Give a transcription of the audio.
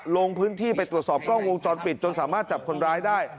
ลงพื้นที่ไปตรวจสอบกล้องวงจรปิดจนสามารถจับคนร้ายได้